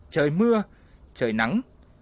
trời mưa trời nắng